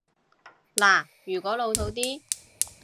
嗱，如果老套啲